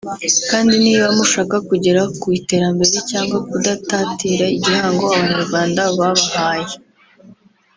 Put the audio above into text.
kandi niba mushaka kugera ku iterambere cyangwa kudatatira igihango Abanyarwanda babahaye